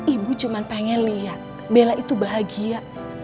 ibu cuma pengen lihat bella itu bahagia